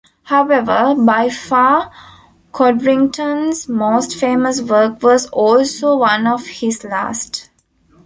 However, by far Codrington's most famous work was also one of his last.